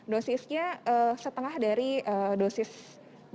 dosisnya setengah dari dosis